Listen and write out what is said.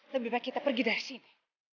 lebih baik kita pergi dari sini